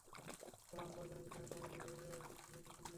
বরং তাদের প্রয়োজনীয় বিশ্রামের সময় দিয়ে ধীরে-সুস্থে বিষয়টি সামনে নিয়ে আসুন।